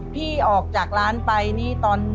พี่ออกจากร้านไปนี่ตอน